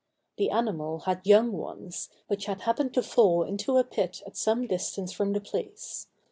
The animal had young ones, which had happened to fall into a pit at some distance from the place.